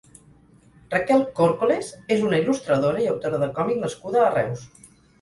Raquel Córcoles és una il·lustradora i autora de còmic nascuda a Reus.